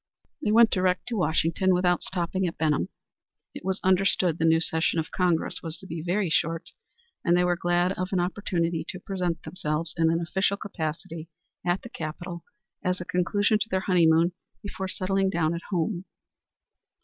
They went direct to Washington without stopping at Benham. It was understood that the new session of Congress was to be very short, and they were glad of an opportunity to present themselves in an official capacity at the capital as a conclusion to their honeymoon, before settling down at home.